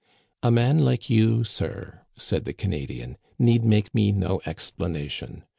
A man like you, sir," said the Canadian, " need make me no explanation.